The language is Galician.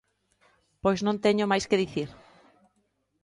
Pois non teño máis que dicir.